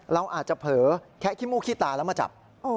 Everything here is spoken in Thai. เราอาจจะเผลอแค่ขี้มูกขี้ตาแล้วมาจับ